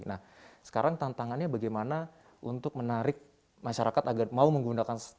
nah sekarang tantangannya bagaimana untuk menarik masyarakat agar mau menggunakan